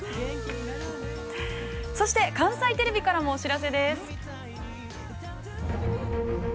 ◆そして、関西テレビからもお知らせです。